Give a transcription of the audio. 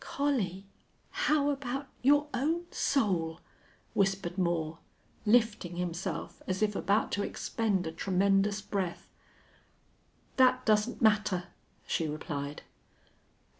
"Collie how about your own soul?" whispered Moore, lifting himself as if about to expend a tremendous breath. "That doesn't matter," she replied.